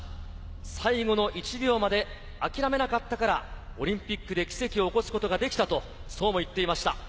最後の１秒まで諦めなかったからオリンピックで奇跡を起こすことができたと言っていました。